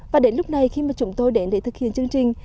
và đến lúc này khi mà chúng tôi đến để thực hiện chương trình